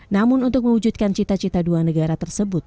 namun untuk mewujudkan cita cita dua negara tersebut